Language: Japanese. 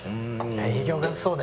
営業がそうだよね